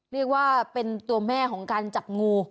เรียกว่าเป็นตัวแม่ของการจับงู